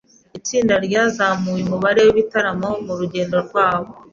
Itsinda ryazamuye umubare wibitaramo murugendo rwabo.